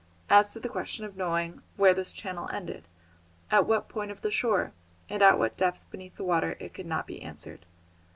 As to the question of knowing where this channel ended, at what point of the shore, and at what depth beneath the water, it could not be answered.